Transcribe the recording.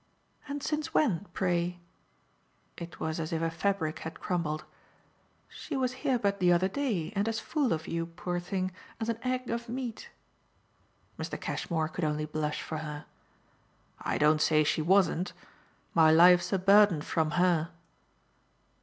"And since when, pray?" It was as if a fabric had crumbled. "She was here but the other day, and as full of you, poor thing, as an egg of meat." Mr. Cashmore could only blush for her. "I don't say she wasn't. My life's a burden from her."